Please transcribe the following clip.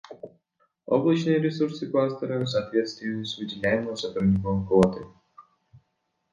Облачные ресурсы кластера в соответствии с выделяемой сотруднику квотой